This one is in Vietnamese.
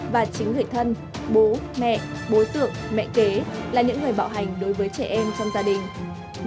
và chính người thân bố mẹ đối tượng mẹ kế là những người bạo hành đối với trẻ em trong gia đình